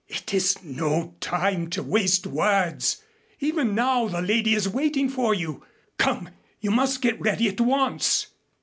"It is no time to waste words. Even now the lady is waiting for you. Come, you must get ready at once."